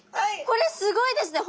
これすごいですね